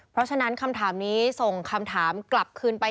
เพราะฉะนั้นคำถามนี้ส่งคำถามกลับคืนไป